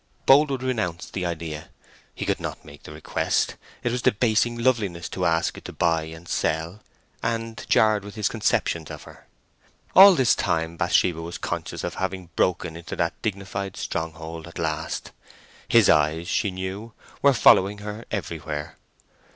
Boldwood renounced the idea. He could not make the request; it was debasing loveliness to ask it to buy and sell, and jarred with his conceptions of her. All this time Bathsheba was conscious of having broken into that dignified stronghold at last. His eyes, she knew, were following her everywhere.